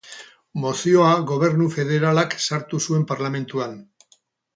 Mozioa Gobernu Federalak sartu zuen parlamentuan.